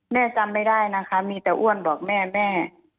จำไม่ได้นะคะมีแต่อ้วนบอกแม่แม่